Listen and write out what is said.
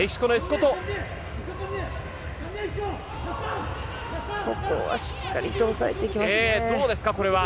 何とか粘るここはしっかりと押さえていきますね。